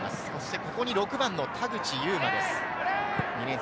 ここに６番の田口裕真です。